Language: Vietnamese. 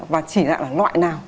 và chỉ lại là loại nào